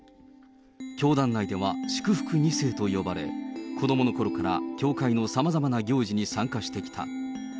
教団内では祝福２世と呼ばれ、子どものころから教会のさまざまな行事に参加してきた。